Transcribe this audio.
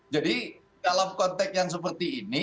jadi dalam konteks yang seperti ini